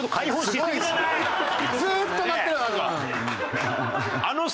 ずっと鳴ってるなんか。